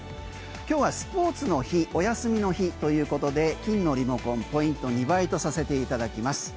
今日はスポーツの日お休みの日ということで金のリモコンポイント２倍とさせていただきます。